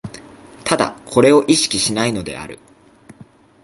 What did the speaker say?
唯これを意識しないのである。